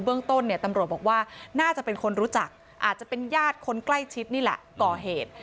เรื่องต้นเนี่ยตำรวจบอกว่าน่าจะเป็นคนรู้จักอาจจะเป็นญาติคนใกล้ชิดนี่แหละก่อเหตุ